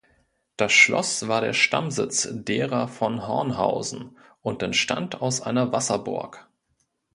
Das Schloss war der Stammsitz derer von Hornhausen und entstand aus einer Wasserburg.